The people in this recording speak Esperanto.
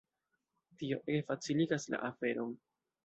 Tio ege faciligas la aferon.